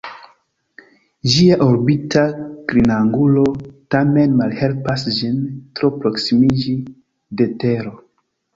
Ĝia orbita klinangulo tamen malhelpas ĝin tro proksimiĝi de Tero.